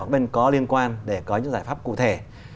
các bên có liên quan để có những giải pháp cụ thể